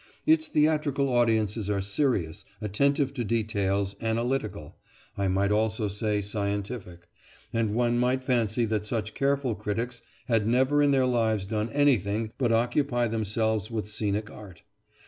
Its theatrical audiences are serious, attentive to details, analytical I might almost say scientific and one might fancy that such careful critics had never in their lives done anything but occupy themselves with scenic art.